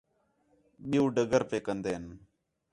ٻِیؤ ڈگر پئے کندے ہین